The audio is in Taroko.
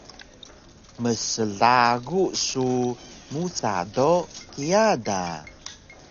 Mslagu su musa do kiya da